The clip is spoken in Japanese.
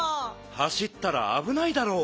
はしったらあぶないだろう。